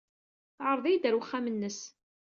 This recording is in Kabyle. Teɛreḍ-iyi-d ɣer uxxam-nnes.